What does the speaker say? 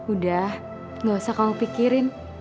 udah gak usah kamu pikirin